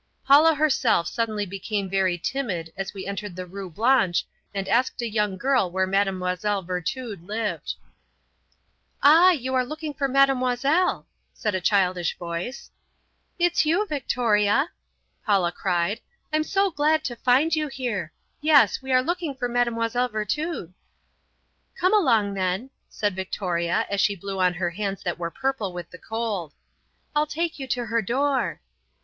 Paula herself suddenly became very timid as we entered the Rue Blanche and asked a young girl where Mlle. Virtud lived. "Ah, you are looking for Mademoiselle," said a childish voice. "It's you, Victoria," Paula cried, "I'm so glad to find you here. Yes, we are looking for Mlle. Virtud." "Come along, then," said Victoria as she blew on her hands that were purple with the cold, "I'll take you to her door."